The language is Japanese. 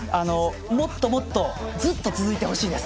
もっともっとずっと続いてほしいです